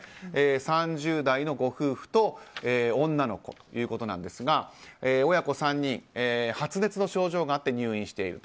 ３０代のご夫婦と女の子ですが親子３人、発熱の症状があって入院していると。